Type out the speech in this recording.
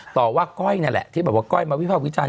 ต่อว่าก้อยนั่นแหละที่แบบว่าก้อยมาวิภาควิจารณ